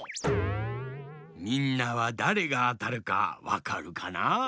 みんなはだれがあたるかわかるかな？